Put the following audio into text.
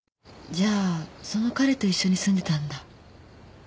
じゃあその彼と一緒に住んでたんだ。